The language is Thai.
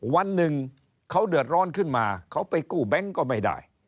วันหนึ่งเขาเดือดร้อนขึ้นมาเขาไปกู้แบงค์ก็ไม่ได้